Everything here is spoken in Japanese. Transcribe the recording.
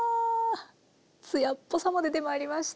艶っぽさも出てまいりました。